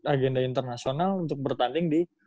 agenda internasional untuk bertanding di